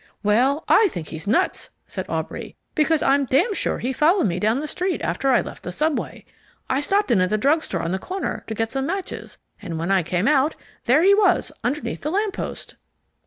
"Well, I think he's nuts," said Aubrey, "because I'm damn sure he followed me down the street after I left the subway. I stopped in at the drug store on the corner to get some matches, and when I came out, there he was underneath the lamp post."